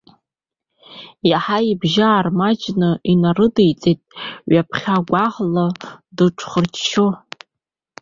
Еиҳа ибжьы аармаҷны инарыдиҵеит, ҩаԥхьа гәаӷла дыҽхырччо.